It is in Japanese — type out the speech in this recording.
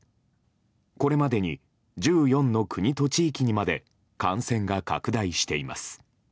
これまでに１４の国と地域にまで感染が拡大しています。